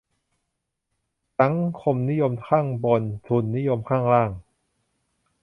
"สังคมนิยมข้างบน ทุนนิยมข้างล่าง"